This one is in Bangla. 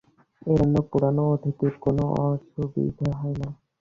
এর জন্যে পুরনো অতিথিদের কোনো অসুবিধে হয় না।